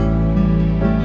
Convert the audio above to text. aku mau ke sana